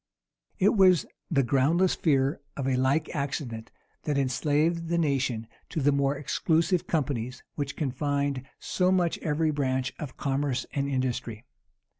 It was the groundless fear of a like accident, that enslaved the nation to those exclusive companies which confined so much every branch of commerce and industry.